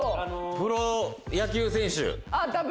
プロ野球選手。